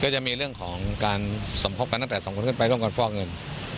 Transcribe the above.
ก็จะมีเรื่องของการสมครบกันตั้งแต่๒คนไปเรื่องกนฟอกเงิน